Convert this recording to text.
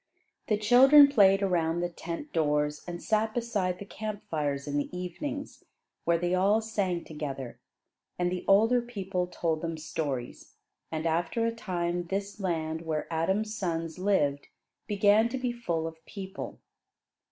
The children played around the tent doors, and sat beside the camp fires in the evenings, where they all sang together, and the older people told them stories. And after a time this land where Adam's sons lived began to be full of people.